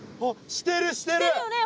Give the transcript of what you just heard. してるしてる！